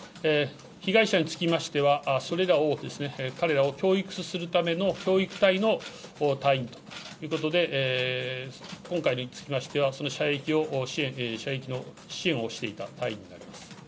被害者につきましては、それらを、彼らを教育するための教育隊の隊員ということで、今回につきましては、その射撃の支援をしていた隊員になります。